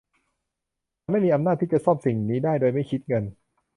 ฉันไม่มีอำนาจที่จะซ่อมสิ่งนี้ได้โดยไม่คิดเงิน